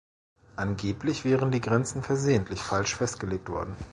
Angeblich wären die Grenzen „versehentlich“ falsch festgelegt worden.